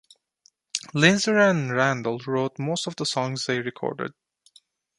Linzer and Randell wrote most of the songs they recorded.